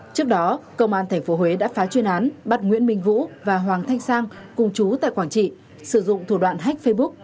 trước đó công an tp huế đã phá chuyên án bắt nguyễn minh vũ và hoàng thanh sang cùng chú tài khoản chị sử dụng thủ đoạn hack facebook